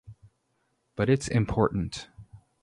But it's important.